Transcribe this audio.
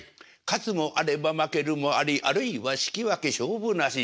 「勝つもあれば負けるもありあるいは引き分け勝負なし。